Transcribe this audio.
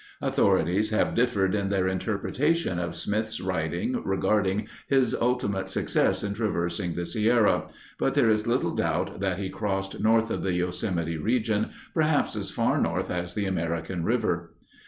Authorities have differed in their interpretation of Smith's writing regarding his ultimate success in traversing the Sierra, but there is little doubt that he crossed north of the Yosemite region, perhaps as far north as the American River.